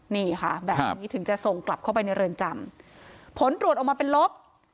นี่ค่ะแบบนี้ถึงจะส่งกลับเข้าไปในเรือนจำผลตรวจออกมาเป็นลบ